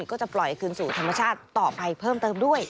ก็จะปล่อยคืนสู่ธรรมชาติต่อไปเพิ่มเติมด้วย